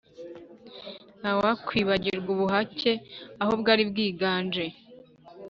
nta wakwibagirwa ubuhake aho bwari bwiganje